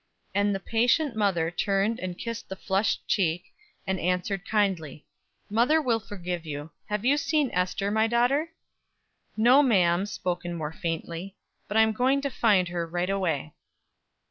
And the patient mother turned and kissed the flushed cheek, and answered kindly: "Mother will forgive you. Have you seen Ester, my daughter?" "No, ma'am," spoken more faintly; "but I'm going to find her right away."